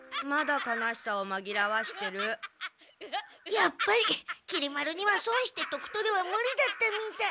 やっぱりきり丸には「損して得とれ」はムリだったみたい。